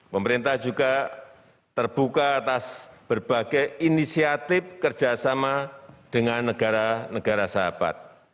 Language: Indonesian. pemerintah juga terbuka atas berbagai inisiatif kerjasama dengan negara negara sahabat